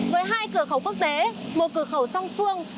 với hai cửa khẩu quốc tế một cửa khẩu song phương